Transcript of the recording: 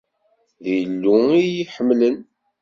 D Illu i iyi-iḥemlen.